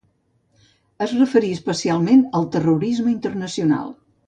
I es referí especialment al ‘terrorisme internacional’.